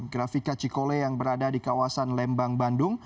grafika cikole yang berada di kawasan lembang bandung